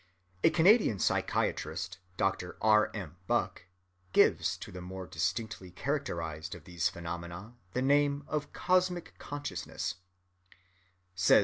A Canadian psychiatrist, Dr. R. M. Bucke, gives to the more distinctly characterized of these phenomena the name of cosmic consciousness.